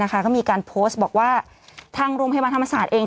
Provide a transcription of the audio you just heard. ก็มีการโพสต์บอกว่าทางโรงพยาบาลธรรมศาสตร์เอง